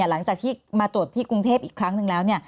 หลังจากที่มาตรวจที่กรุงเทพอีกครั้งหนึ่งแล้ว